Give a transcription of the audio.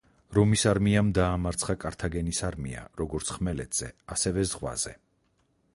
რომის არმიამ დაამარცხა კართაგენის არმია როგორც ხმელეთზე, ასევე ზღვაზე.